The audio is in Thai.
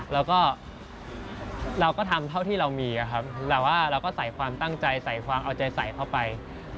แล้วก็เราก็ทำเท่าที่เรามีครับแต่ว่าเราก็ใส่ความตั้งใจใส่ความเอาใจใส่เข้าไป